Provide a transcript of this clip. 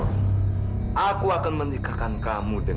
jangan khawatir taro jangan khawatir taro